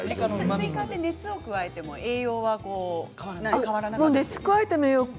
スイカは熱を加えても栄養は変わらないです。